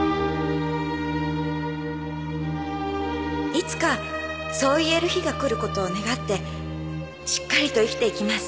「いつかそう言える日が来ることを願ってしっかりと生きていきます。